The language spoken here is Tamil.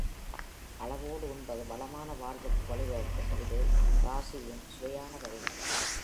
அளவோடு உண்பது வளமான வாழ்வுக்கு வழி வகுக்கும் இது ரா.சீ யின் சுவையான வரிகள்.